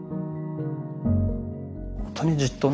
ほんとにじっとね